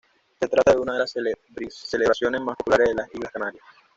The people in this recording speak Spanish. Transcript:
Se trata de una de las celebraciones más populares de las Islas Canarias.